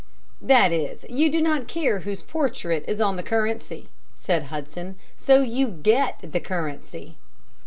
"That is, you do not care whose portrait is on the currency," said Hudson, "so you get the currency."